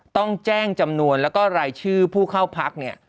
ต้องแจ้งจำนวนแล้วก็รายชื่อผู้เข้าพักเนี่ย